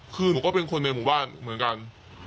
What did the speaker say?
คือหนูก็เป็นคนในหมู่บ้านเหมือนกัน